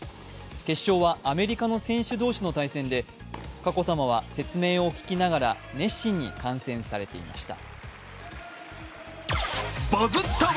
決勝はアメリカの選手同士の対戦で佳子さまは説明を聞きながら熱心に観戦されていました。